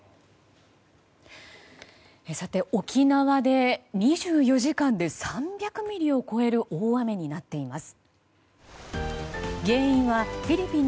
沖縄で２４時間で３００ミリを超える大雨になっています。